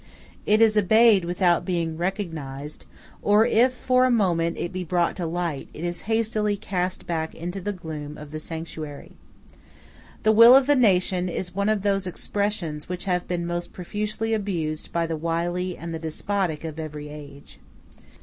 It is obeyed without being recognized, or if for a moment it be brought to light, it is hastily cast back into the gloom of the sanctuary. "The will of the nation" is one of those expressions which have been most profusely abused by the wily and the despotic of every age.